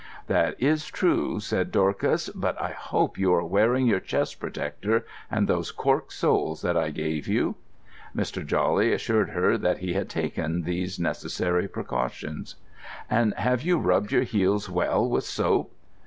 "That is true," said Dorcas. "But I hope you are wearing your chest protector and those cork soles that I gave you." Mr. Jawley assured her that he had taken these necessary precautions. "And have you rubbed your heels well with soap?"